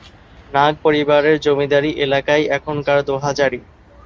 নাগ পরিবারের জমিদারী এলাকাই এখনকার "দোহাজারী"।